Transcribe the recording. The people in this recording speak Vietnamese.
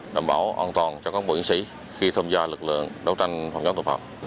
đảm bảo an toàn cho các bộ chiến sĩ khi tham gia lực lượng đấu tranh phòng chống tội phạm